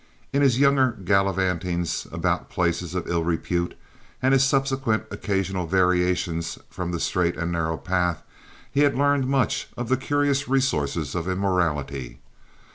In his younger gallivantings about places of ill repute, and his subsequent occasional variations from the straight and narrow path, he had learned much of the curious resources of immorality.